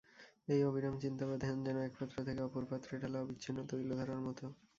এই অবিরাম চিন্তা বা ধ্যান যেন একপাত্র থেকে অপর পাত্রে ঢালা অবিচ্ছিন্ন তৈলধারার মত।